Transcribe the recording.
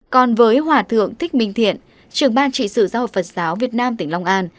còn với hòa thượng thích minh thiện trưởng ban trị sự giáo hội phật giáo việt nam tỉnh long an